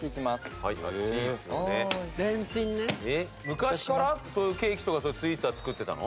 昔からそういうケーキとかスイーツは作ってたの？